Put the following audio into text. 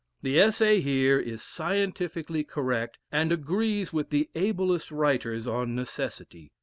The Essay here is scientifically correct, and agrees with the ablest writers on necessity.